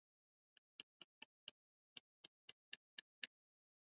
Kituo cha Temeke kitakuwa mirathi ndoa talaka malezi na matunzo